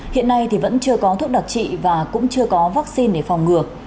hiện nay thì vẫn chưa có thuốc đặc trị và cũng chưa có vaccine để phòng ngừa